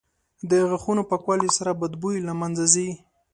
• د غاښونو پاکوالي سره بد بوی له منځه ځي.